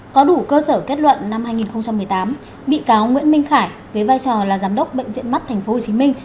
có đủ cơ sở kết luận năm hai nghìn một mươi tám bị cáo nguyễn minh khải với vai trò là giám đốc bệnh viện mắt tp hcm